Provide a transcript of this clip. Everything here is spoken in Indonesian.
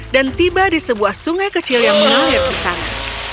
dan tiba di sebuah sungai kecil yang menolak di sana